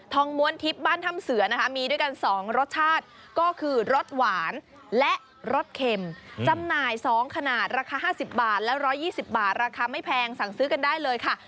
งม้วนทิพย์บ้านถ้ำเสือนะคะมีด้วยกัน๒รสชาติก็คือรสหวานและรสเข็มจำหน่าย๒ขนาดราคา๕๐บาทและ๑๒๐บาทราคาไม่แพงสั่งซื้อกันได้เลยค่ะ